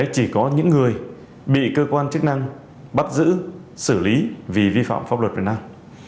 chỉ có những người bị cơ quan chức năng bắt giữ xử lý vì vi phạm pháp luật việt nam